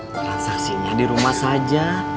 transaksinya di rumah saja